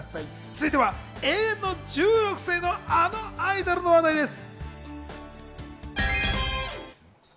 続いては永遠の１６歳の、あのアイドルの話題です。